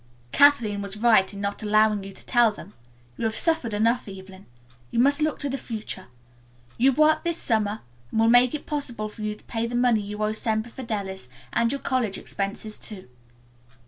"Kathleen was right in not allowing you to tell them. You have suffered enough, Evelyn. You must look to the future. Your work this summer will make it possible for you to pay the money you owe Semper Fidelis and your college expenses too."